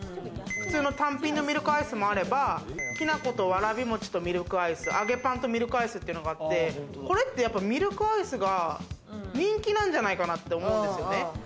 普通の単品のミルクアイスもあれば、きな粉とわらび餅とミルクアイス、揚げパンとミルクアイスっていうのがあって、これってミルクアイスが人気なんじゃないかなって思うんですよね。